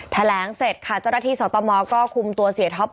แถลงเสร็จค่ะเจ้าแรกที่สตมก็คุมตัวเศรษฐพ